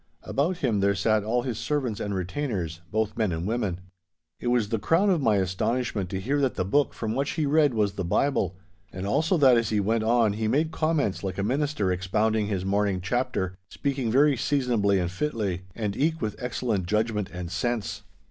About him there sat all his servants and retainers, both men and women. It was the crown of my astonishment to hear that the book from which he read was the Bible, and also that as he went on he made comments like a minister expounding his morning chapter, speaking very seasonably and fitly, and eke with excellent judgment and sense.